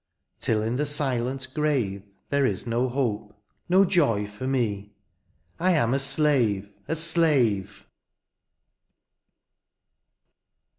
Till in the silent grave There is no hope, no joy for me, I am a slave — a slave